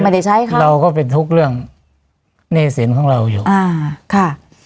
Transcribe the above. ก็ยังไม่ได้ใช้ครับเราก็เป็นทุกเรื่องเนสินของเราอยู่อ่าค่ะ